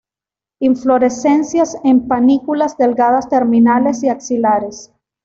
Inflorescencias en panículas delgadas terminales y axilares.